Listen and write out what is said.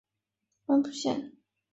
满浦线